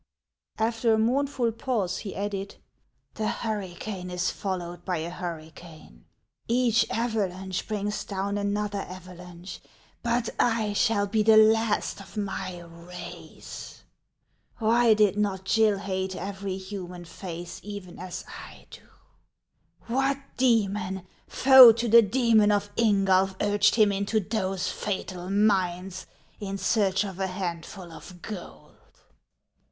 After a mournful pause, he added, —" The hurricane is followed by a hurricane, each ava lanche brings down another avalanche, but I shall be the last of my race. Why did not (Jill hate every human face even as I do ? What demon foe to the demon of Ingulf urged him into those fatal mines in search of a handful of gold